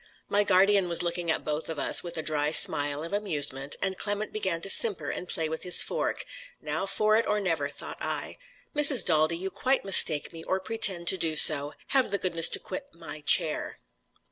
My guardian was looking at both of us, with a dry smile of amusement, and Clement began to simper and play with his fork. Now for it, or never, thought I. "Mrs. Daldy, you quite mistake me, or pretend to do so. Have the goodness to quit my chair."